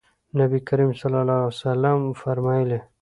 نبي کریم صلی الله علیه وسلم فرمایلي: